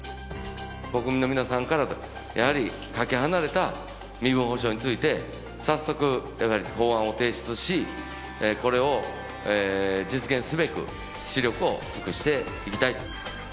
国民の皆さんからやはりかけ離れた身分保障について、早速、やはり法案を提出し、これを実現すべく死力を尽くしていきたい。